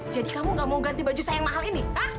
jadi kamu gak mau ganti baju saya yang mahal ini